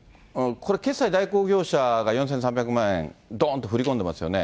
これ、決済代行業者が４３００万円どんと振り込んでますよね。